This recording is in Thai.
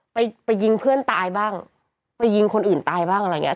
ไปไปยิงเพื่อนตายบ้างไปยิงคนอื่นตายบ้างอะไรอย่างเง